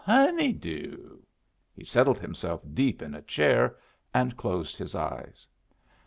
Honey doo." He settled himself deep in a chair, and closed his eyes.